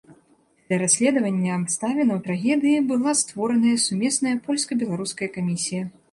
Для расследавання абставінаў трагедыі была створаная сумесная польска-беларуская камісія.